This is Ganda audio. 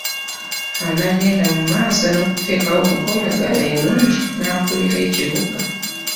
Anaagenda mu maaso n’okuteekawo enkolagana ennungi n’akulira ekibuga?